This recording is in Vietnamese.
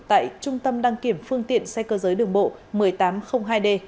tại trung tâm đăng kiểm phương tiện xe cơ giới đường bộ một mươi tám trăm linh hai d